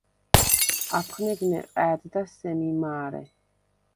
აფხნეგ ნეყა̄̈დდა სემი მა̄რე.